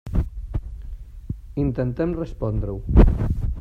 Intentem respondre-ho.